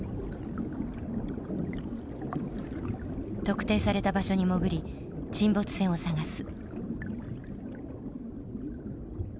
特定された場所に潜り沈没船を探す。